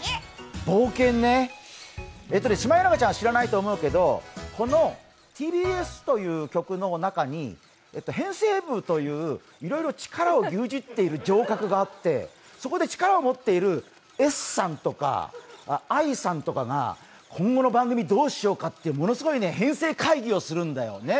冒険ね、シマエナガちゃんは知らないと思うけどこのＴＢＳという局の中に編成部といういろいろ力を牛耳っている城郭があってそこで力を持っているＳさんとかＩさんとかが今後の番組どうしようかって、ものすごい編成会議をするんだよね。